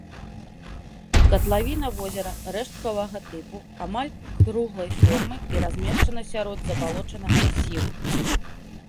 Катлавіна возера рэшткавага тыпу, амаль круглай формы і размешчана сярод забалочанага масіву.